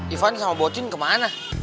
ivan sama bocin kemana